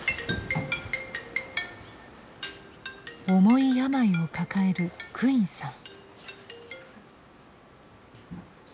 重い病を抱えるクインさん。